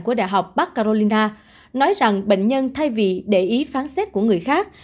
của đại học bắc carolina nói rằng bệnh nhân thay vì để ý phán xét của người khác